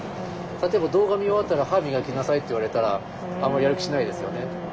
例えば「動画見終わったら歯磨きなさい」って言われたらあまりやる気しないですよね。